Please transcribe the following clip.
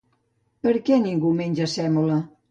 Per què ningú menja sèmola?